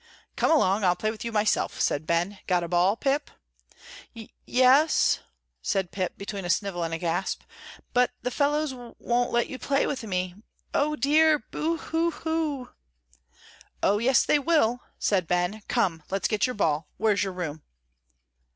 "Come along, I'll play with you myself," said Ben. "Got a ball, Pip?" "Ye es," said Pip, between a snivel and a gasp, "but the fellows wo on't let you play with me. O dear, boo hoo hoo!" "Oh, yes, they will," said Ben. "Come, let's get your ball. Where's your room?"